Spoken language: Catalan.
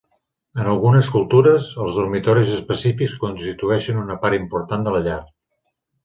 En algunes cultures, els dormitoris específics constitueixen una part important de la llar.